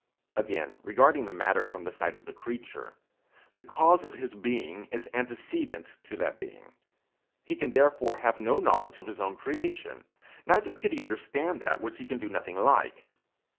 Again, regarding the matter from the side of the creature the cause of his being is antecedent to that being; he can therefore have no knowledge of his own creation; neither could he understand that which he can do nothing like.